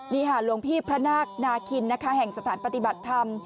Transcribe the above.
นี่ค่ะหลวงพี่พระนาคนาคินนะคะแห่งสถานปฏิบัติธรรม